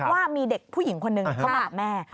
ว่ามีเด็กผู้หญิงคนหนึ่งเข้ามากับแม่